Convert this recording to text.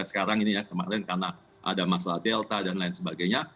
sekarang ini ya kemarin karena ada masalah delta dan lain sebagainya